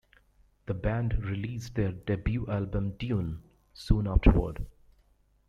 The band released their debut album "Dune" soon afterward.